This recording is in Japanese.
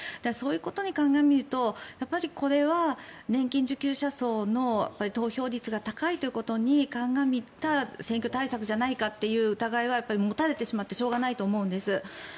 そういうことに鑑みるとこれは年金受給者層の投票率が高いということに鑑みた選挙対策じゃないかという疑いは持たれてしまってしょうがないと思うんです。